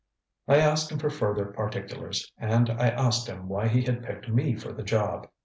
ŌĆ£I asked him for further particulars, and I asked him why he had picked me for the job.